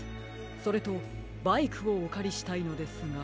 それとバイクをおかりしたいのですが。